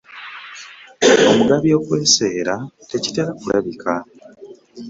Omugabi okwesera tekitera kulabika .